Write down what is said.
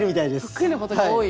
得意なことが多い。